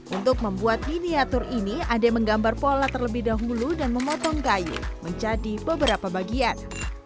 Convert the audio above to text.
untuk membuat miniatur ini ade menggambar pola terlebih dahulu dan memotong kayu menjadi beberapa bagian